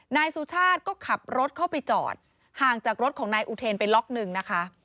นายสุชาติก็ขับรถเข้าไปจอดห่างจากรถของนายอุเทนไปล็อกหนึ่งนะคะ